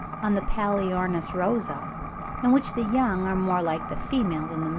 260) on the Palaeornis rosa, in which the young are more like the female than the male.